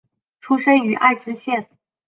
出身于爱知县。